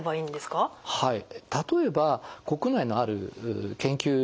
はい。